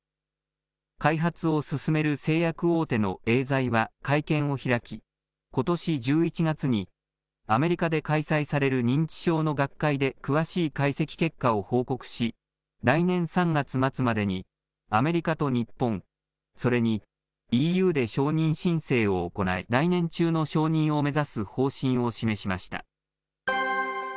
開発を進める製薬大手のエーザイは会見を開き、ことし１１月にアメリカで開催される認知症の学会で、詳しい解析結果を報告し、来年３月末までにアメリカと日本、それにＥＵで承認申請を行い、来年中の承認を目指す方針を示しました。